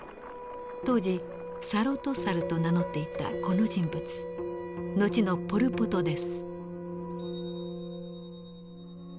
当時サロト・サルと名乗っていたこの人物後のポル・ポトです。